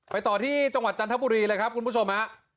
ต่อที่จังหวัดจันทบุรีเลยครับคุณผู้ชมฮะ